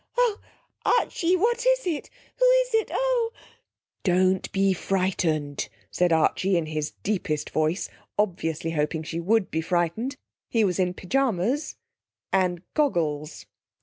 'Oh, Archie! What is it! Who is it! Oh!... Oh!' 'Don't be frightened,' said Archie, in his deepest voice, obviously hoping she would be frightened. He was in pyjamas and goggles.